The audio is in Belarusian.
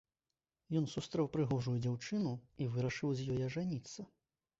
Ён сустрэў прыгожую дзяўчыну і вырашыў з ёй ажаніцца.